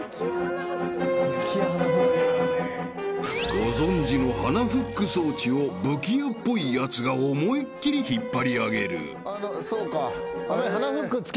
［ご存じの鼻フック装置を武器屋っぽいやつが思いっ切り引っ張り上げる］